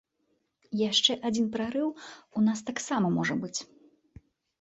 Яшчэ адзін прарыў у нас таксама можа быць.